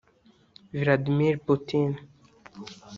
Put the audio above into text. Vladimir Poutine